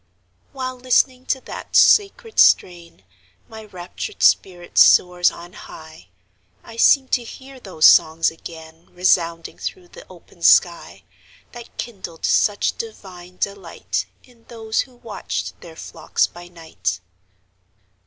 While listening to that sacred strain, My raptured spirit soars on high; I seem to hear those songs again Resounding through the open sky, That kindled such divine delight, In those who watched their flocks by night.